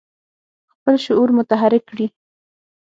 خپل شعور متحرک کړي.